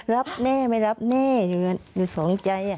รับแน่ไม่รับแน่อยู่สองใจ